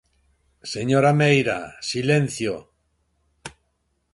Señora Meira, silencio.